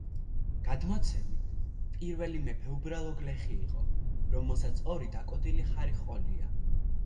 გადმოცემით, პირველი მეფე უბრალო გლეხი იყო, რომელსაც ორი დაკოდილი ხარი ჰყოლია.